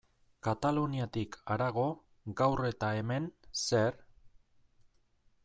Kataluniatik harago, gaur eta hemen, zer?